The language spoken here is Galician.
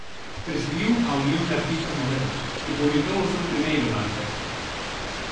Presidiu a Unión de Artistas Modernos, que publicou o seu primeiro manifesto.